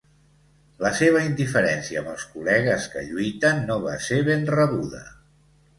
La seva indiferència amb els col·legues que lluiten no va ser ben rebuda.